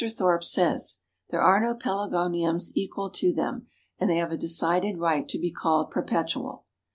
Thorp says, "There are no Pelargoniums equal to them and they have a decided right to be called perpetual."